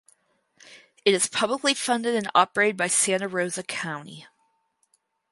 It is publicly funded and operated by Santa Rosa County.